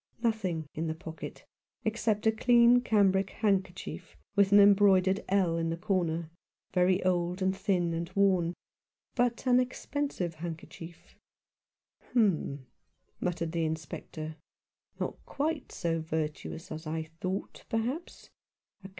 Nothing in the pocket, except a clean cambric handkerchief, with an embroidered " L " in the corner — very old and thin and worn, but an expensive handkerchief. " Humph !" muttered the Inspector ;" not quite so virtuous as I thought, perhaps.